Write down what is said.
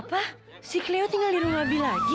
apa si cleo tinggal di rumah abi lagi